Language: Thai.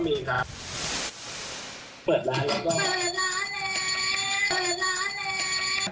เปิดร้านแล้ว